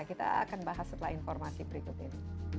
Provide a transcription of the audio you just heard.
kita akan bahas setelah informasi berikut ini